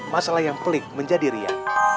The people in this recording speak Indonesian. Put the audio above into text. masalah yang pelik menjadi riak